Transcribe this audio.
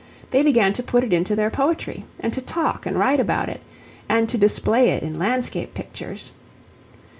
They began to put it into their poetry, and to talk and write about it, and to display it in landscape pictures.